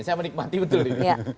saya menikmati betul ini